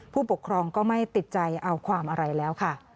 ผู้ปกครองก็ไม่ติดใจเอาความอะไรแล้วค่ะ